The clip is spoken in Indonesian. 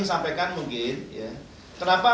sampaikan mungkin kenapa